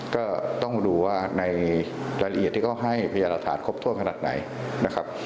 ก็ต้องดูว่ารายละเอียดที่ก็ให้พยารับฐานครบถ้วงขนาดไหน